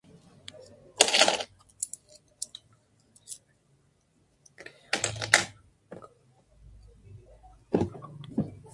Ha desarrollado ciclos internacionales de formación, master class, muestras y conferencias.